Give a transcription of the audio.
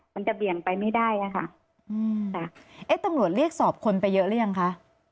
มันจะเบี่ยงไปไม่ได้ค่ะตำรวจเรียกสอบคนไปเยอะหรือยังคะ